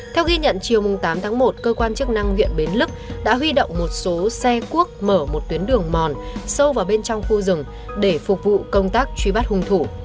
theo ghi nhận chiều tám tháng một cơ quan chức năng huyện bến lức đã huy động một số xe cuốc mở một tuyến đường mòn sâu vào bên trong khu rừng để phục vụ công tác truy bắt hung thủ